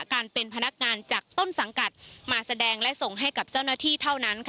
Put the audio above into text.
การเป็นพนักงานจากต้นสังกัดมาแสดงและส่งให้กับเจ้าหน้าที่เท่านั้น